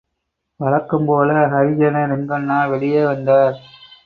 வழக்கம் போல ஹரிஜன ரெங்கண்ணா வெளியே வந்தார்.